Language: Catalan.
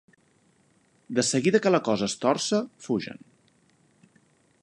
De seguida que la cosa es torça, fugen.